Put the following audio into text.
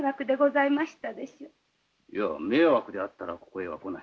いや迷惑であったらここへは来ない。